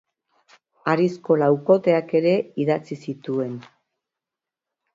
Harizko laukoteak ere idatzi zituen.